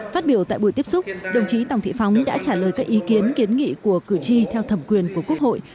phát biểu tại buổi tiếp xúc đồng chí tòng thị phóng đã trả lời các ý kiến kiến nghị của cử tri theo thẩm quyền của quốc hội